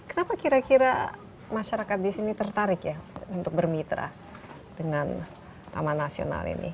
kenapa kira kira masyarakat di sini tertarik ya untuk bermitra dengan taman nasional ini